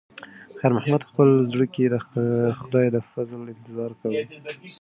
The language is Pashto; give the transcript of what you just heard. خیر محمد په خپل زړه کې د خدای د فضل انتظار کاوه.